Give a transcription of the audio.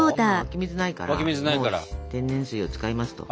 今湧き水ないから天然水を使いますと。